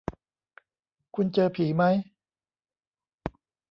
คุณเจอผีมั้ย